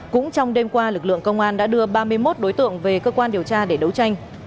cũng trong đêm qua lực lượng công an đã đưa ba mươi một đối tượng về cơ quan điều tra để đấu tranh